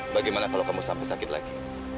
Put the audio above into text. bagaimana kalau kamu sampai sakit lagi